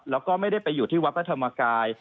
แล้วก็ไม่ได้ไปอยู่ที่วัดพระธรรมกาย